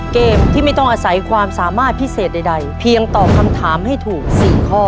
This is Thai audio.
เกมที่ไม่ต้องอาศัยความสามารถพิเศษใดเพียงตอบคำถามให้ถูก๔ข้อ